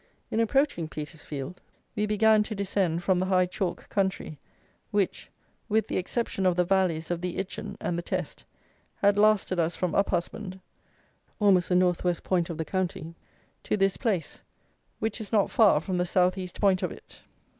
In approaching Petersfield we began to descend from the high chalk country, which (with the exception of the valleys of the Itchen and the Teste) had lasted us from Uphusband (almost the north west point of the county) to this place, which is not far from the south east point of it.